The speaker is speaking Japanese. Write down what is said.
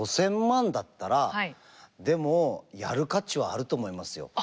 ５，０００万だったらでもやる価値はあると思いますよ。